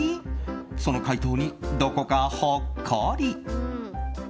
その回答に、どこかほっこり。